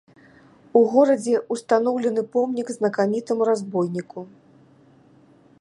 У горадзе ўстаноўлены помнік знакамітаму разбойніку.